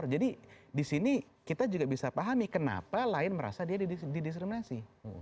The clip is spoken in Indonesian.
jadi disini kita juga bisa pahami kenapa lain merasa dia didiskriminasi